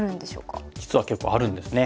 実は結構あるんですね。